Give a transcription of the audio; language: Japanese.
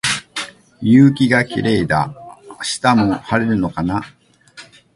夕陽がキレイだ。明日も晴れるのかな。